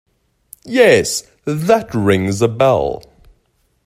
Yes, that rings a bell.